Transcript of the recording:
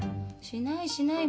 しないしない。